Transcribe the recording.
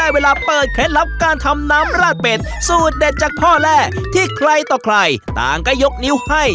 เวลาเปิดเคล็ดลับการทำน้ำราดเป็ดสูตรเด็ดจากพ่อแร่ที่ใครต่อใครต่างก็ยกนิ้วให้